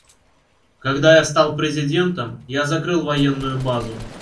Когда я стал президентом, я закрыл военную базу.